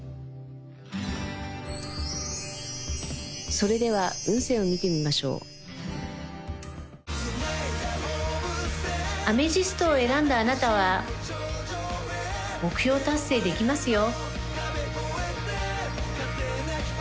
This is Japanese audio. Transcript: それでは運勢を見てみましょうアメジストを選んだあなたは目標達成できますよ